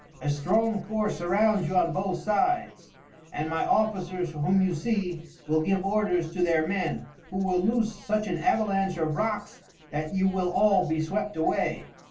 A strong force surrounds you on both sides, and my officers, whom you see, will give orders to their men, who will loose such an avalanche of rocks that you will all be swept away."